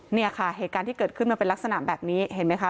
เนี่ยค่ะเหตุการณ์ที่เกิดขึ้นมันเป็นลักษณะแบบนี้เห็นไหมคะ